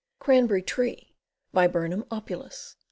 Cranberry Tree. Viburnum Opulus.